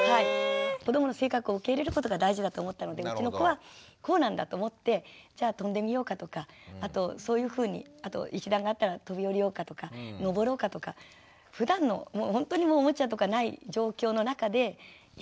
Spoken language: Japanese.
子どもの性格を受け入れることが大事だと思ったのでうちの子はこうなんだと思って「じゃあ跳んでみようか」とかあとそういうふうにあと石段があったら「飛び降りようか」とか「のぼろうか」とかふだんのもうほんとにもうおもちゃとかない状況の中でやっていってました。